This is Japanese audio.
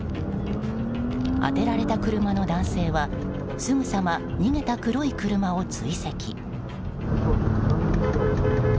当てられた車の男性はすぐさま逃げた黒い車を追跡。